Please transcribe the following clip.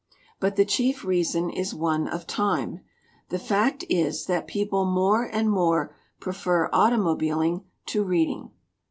But the chief reason is one of time the fact is that people more and more prefer automobiling to reading.